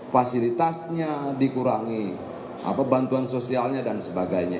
fasilitasnya dikurangi bantuan sosialnya dan sebagainya